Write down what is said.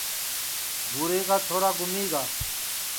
بھو رے کا چھورا گُمیگا ہے